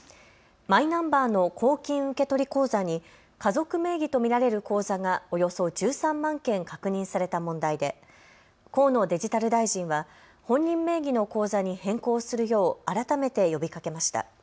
マイナンバーの公金受取口座に家族名義と見られる口座がおよそ１３万件確認された問題で河野デジタル大臣は本人名義の口座に変更するよう改めて呼びかけました。